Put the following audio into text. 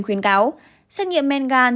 khuyên cáo xét nghiệm men gan